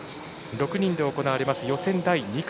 ６人で行われます予選第２組。